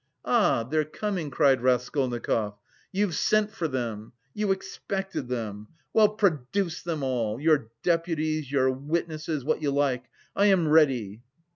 "Ah, they're coming," cried Raskolnikov. "You've sent for them! You expected them! Well, produce them all: your deputies, your witnesses, what you like!... I am ready!"